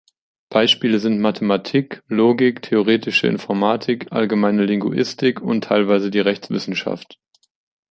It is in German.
Beispiele sind Mathematik, Logik, theoretische Informatik, allgemeine Linguistik und teilweise die Rechtswissenschaft.